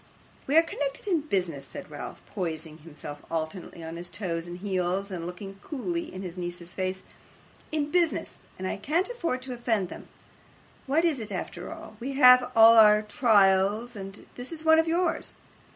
'We are connected in business,' said Ralph, poising himself alternately on his toes and heels, and looking coolly in his niece's face, 'in business, and I can't afford to offend them. What is it after all? We have all our trials, and this is one of yours.